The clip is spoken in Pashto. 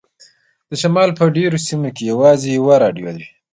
د شمال په ډیرو سیمو کې یوازې یوه راډیو وي